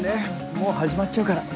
もう始まっちゃうから。